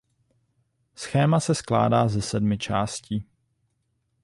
Schéma se skládá ze sedmi částí.